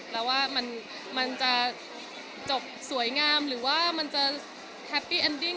แล้วว่ามันจะจบสวยงามหรือว่ามันจะแฮปปี้เอ็นดิ้ง